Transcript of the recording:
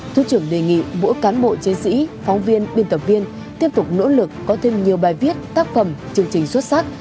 thứ trưởng đề nghị mỗi cán bộ chiến sĩ phóng viên biên tập viên tiếp tục nỗ lực có thêm nhiều bài viết tác phẩm chương trình xuất sắc